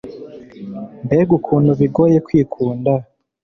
mbega ukuntu bigoye kwikunda